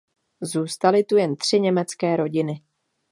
Zůstaly tu jen tři německé rodiny.